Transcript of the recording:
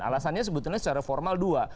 alasannya sebetulnya secara formal dua